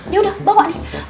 yaudah bawa nih